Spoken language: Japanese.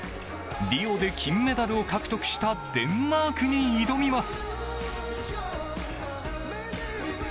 リオで金メダルを獲得したデンマークに挑みます。